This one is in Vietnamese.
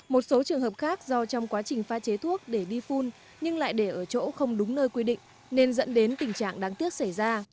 một số trường hợp khác do trong quá trình pha chế thuốc để đi phun nhưng lại để ở chỗ không đúng nơi quy định nên dẫn đến tình trạng đáng tiếc xảy ra